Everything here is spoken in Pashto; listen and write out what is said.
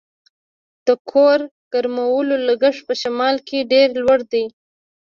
د کور ګرمولو لګښت په شمال کې ډیر لوړ دی